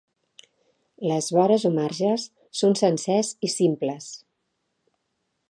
Les vores o marges són sencers i simples.